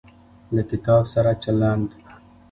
له کتاب سره چلند